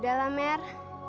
udah lah mer